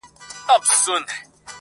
د لباس كيسې عالم وې اورېدلي،